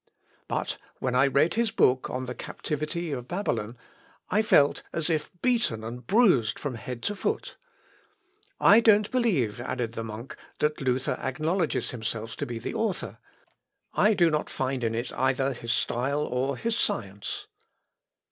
But when I read his book on the Captivity of Babylon, I felt as if beaten and bruised from head to foot." "I don't believe," added the monk, "that Luther acknowledges himself to be the author. I do not find in it either his style or his science...."